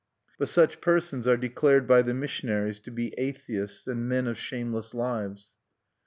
But such persons are declared by the missionaries to be atheists and men of shameless lives.